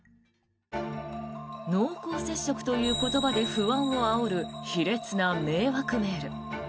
濃厚接触という言葉で不安をあおる卑劣な迷惑メール。